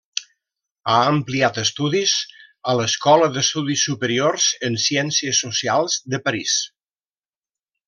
Ha ampliat estudis a l'Escola d'Estudis Superiors en Ciències Socials de París.